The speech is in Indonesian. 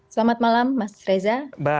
selamat malam mas reza